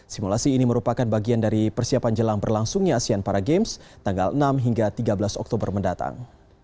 simulasi ini merupakan bagian dari persiapan jelang berlangsungnya asean para games tanggal enam hingga tiga belas oktober mendatang